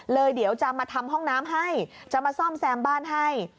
เดี๋ยวจะมาทำห้องน้ำให้จะมาซ่อมแซมบ้านให้